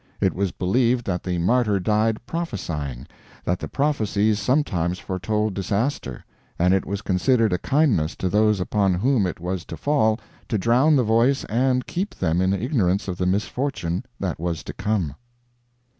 It was believed that the martyr died prophecying; that the prophecies sometimes foretold disaster, and it was considered a kindness to those upon whom it was to fall to drown the voice and keep them in ignorance of the misfortune that was to come.